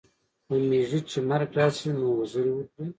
د میږي چي مرګ راسي نو، وزري وکړي.